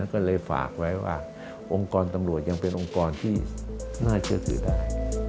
ก็เลยฝากไว้ว่าองค์กรตำรวจยังเป็นองค์กรที่น่าเชื่อถือได้